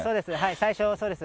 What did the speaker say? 最初、そうです。